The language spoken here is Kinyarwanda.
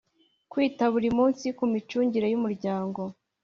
Kwita buri munsi ku micungire y Umuryango